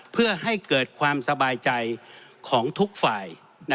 เพื่อให้เกิดความสบายใจของทุกฝ่าย